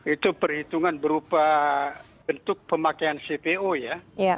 itu perhitungan berupa bentuk pemakaian cpo ya